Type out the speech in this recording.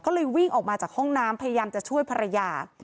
ก็เลยวิ่งออกมาจากห้องน้ำพยายามจะช่วยภรรยา